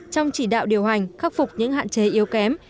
trong chỉ đạo điều hành khắc phục những hạn chế yếu kém